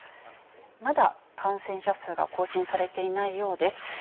まだ感染者数が更新されていないようです。